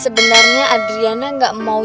sebenarnya adriana gak mau